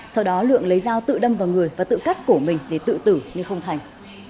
sau đó lượng lấy dao tự đâm vào người và tự cắt cổ mình để tự tử nhưng không thành